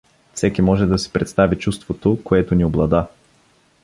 Всеки може да си представи чувството, което ни облада.